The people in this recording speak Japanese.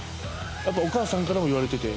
お母さんからも言われてて。